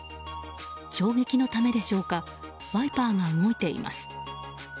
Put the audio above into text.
衝撃のためでしょうかワイパーが動いています。